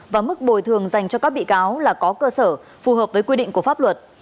và mức bồi thường dành cho các bị cáo là có cơ sở phù hợp với quy định của pháp luật